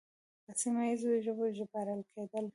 په سیمه ییزو ژبو ژباړل کېدل